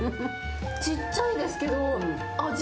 ちっちゃいですけど味